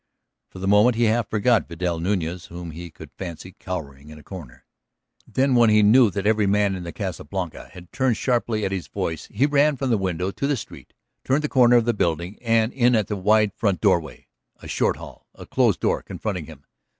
For the moment he half forgot Vidal Nuñez whom he could fancy cowering in a corner. Then when he knew that every man in the Casa Blanca had turned sharply at his voice he ran from the window to the street, turned the corner of the building and in at the wide front doorway. A short hall, a closed door confronting him